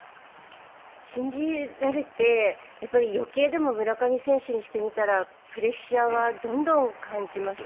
信じられて余計村上選手にしてみたらプレッシャーをどんどん感じますよね。